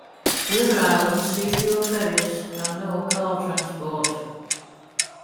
The other islands see fewer ferries and no car transport.